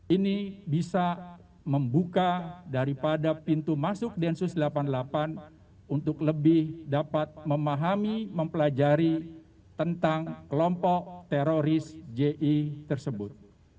ini bisa membuka daripada pintu masuk densus delapan puluh delapan untuk lebih dapat memahami mempelajari tentang kelompok teroris ji tersebut